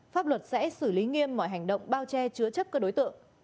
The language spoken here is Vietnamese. pháp luật sẽ xử lý nghiêm mọi hành động bao che chứa chấp các đối tượng